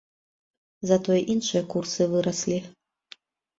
Затое іншыя курсы выраслі.